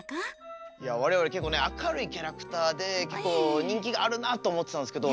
我々結構ね明るいキャラクターで結構人気があるなと思ってたんですけど。